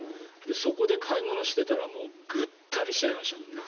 そこで買い物してたらぐったりしちゃいましたからね。